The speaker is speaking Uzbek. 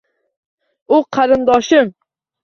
U qarindoshim.